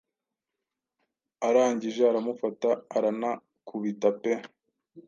Arangije aramufata aranakubita pe.